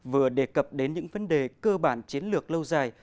vừa đề cập đến những vấn đề cơ bản chiến lược lâu dài